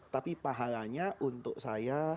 tapi pahalanya untuk saya